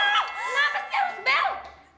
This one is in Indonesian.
kenapa sih harus bel